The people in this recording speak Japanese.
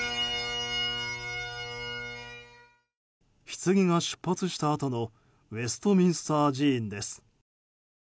ひつぎが出発したあとのウェストミンスター寺院です。